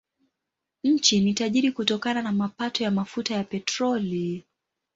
Nchi ni tajiri kutokana na mapato ya mafuta ya petroli.